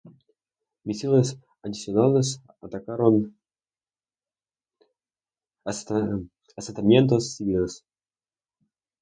Misiles adicionales atacaron asentamientos civiles.